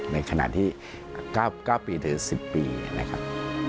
ในขณะที่๙ปีถึง๑๐ปีนะครับ